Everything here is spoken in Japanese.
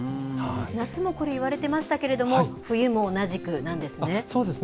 夏もこれ、いわれてましたけれども、冬も同じくなんですね。